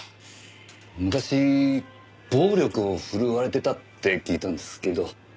昔暴力を振るわれてたって聞いたんですけど。